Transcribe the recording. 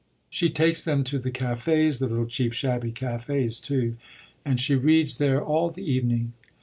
She takes them to the cafés the little, cheap, shabby cafés too and she reads there all the evening.